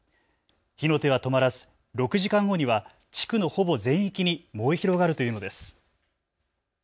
火の手は止まらず６時間後には地区のほぼ全域に燃え広がるというのです。